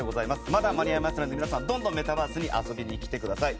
まだ間に合いますので皆さん、どんどんメタバースに遊びに来てください。